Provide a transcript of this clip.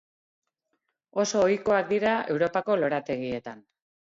Oso ohikoak dira Europako lorategietan.